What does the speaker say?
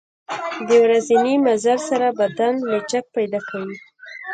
د ورځني مزل سره بدن لچک پیدا کوي.